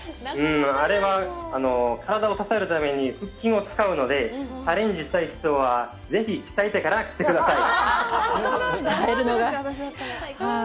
あれは体を支えるために腹筋を使うので、チャレンジしたい人はぜひ鍛えてから来てください。